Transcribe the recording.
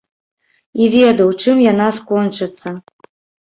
І ведаў, чым яна скончыцца.